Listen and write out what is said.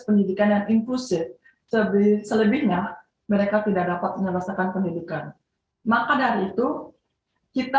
pendidikan yang inklusif selebihnya mereka tidak dapat menyelesaikan pendidikan maka dari itu kita